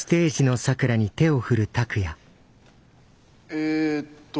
えっと。